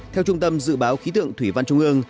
theo trung tâm dự báo khí tượng thủy văn trung ương